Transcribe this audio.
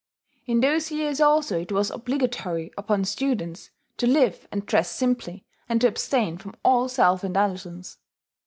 ] In those years also it was obligatory upon students to live and dress simply, and to abstain from all self indulgence.